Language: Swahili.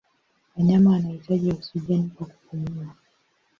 Wanyama wanahitaji oksijeni kwa kupumua.